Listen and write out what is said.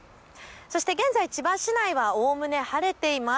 そして現在、千葉市内はおおむね晴れています。